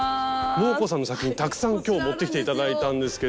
モー子さんの作品たくさん今日持ってきて頂いたんですけど。